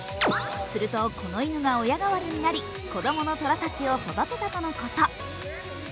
すると、この犬が親代わりになり子供の虎たちを育てたとのこと。